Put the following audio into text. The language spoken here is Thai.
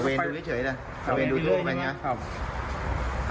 ทะเบนดูเฉยนะทะเบนดูทั่วไปอย่างนี้